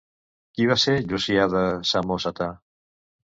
Qui va ser Llucià de Samòsata?